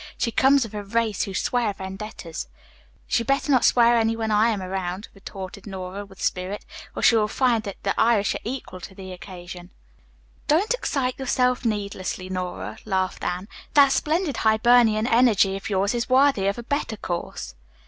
She comes of a race who swear vendettas." "She better not swear any when I am around," retorted Nora with spirit, "or she will find that the Irish are equal to the occasion." "Don't excite yourself needlessly, Nora," laughed Anne. "That splendid Hibernian energy of yours is worthy of a better cause."